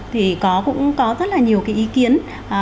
thì cũng có rất là nhiều cái ý kiến